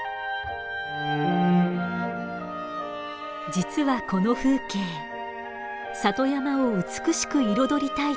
実はこの風景里山を美しく彩りたいと願い